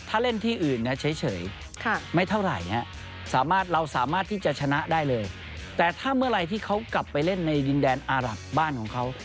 ถ้าเล่นที่อื่นเฉยไม่เท่าไหร่สามารถเราสามารถที่จะชนะได้เลยแต่ถ้าเมื่อไหร่ที่เขากลับไปเล่นในดินแดนอารับบ้านของเขา